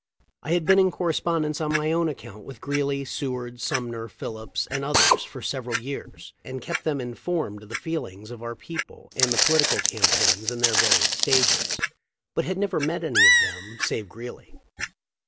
I had been in correspondence on my own account with Greeley, Seward, Sumner, Phillips, and others for several years, had kept them informed of the feelings of our people and the political campaigns in their various stages, but had never met any of them save Greeley.